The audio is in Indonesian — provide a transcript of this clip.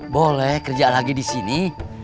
boleh kerja lagi disini